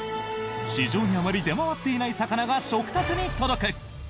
市場にあまり出回っていない魚が食卓に届く！